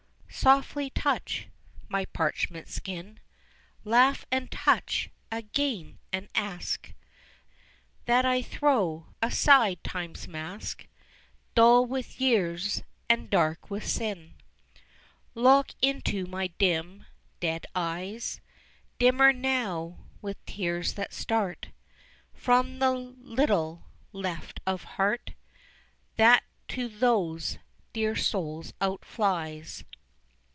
Softly touch my parchment skin, Laugh and touch again and ask That I throw aside time's mask, Dull with years and dark with sin. Look into my dim, dead eyes, Dimmer now with tears that start From the little left of heart That to those dear souls outflies.